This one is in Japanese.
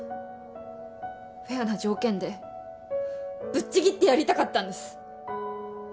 フェアな条件でぶっちぎってやりたかったんです。